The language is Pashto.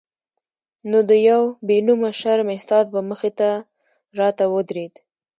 نو د یو بې نومه شرم احساس به مخې ته راته ودرېد.